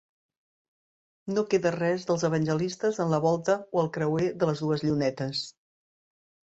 No queda res dels Evangelistes en la volta o al creuer de les dues llunetes.